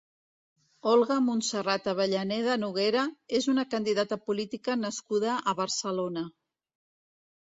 Olga Montserrat Avellaneda Noguera és una candidata política nascuda a Barcelona.